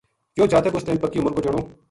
یوہ جاتک اس ٹیم پکی عمر کو جنو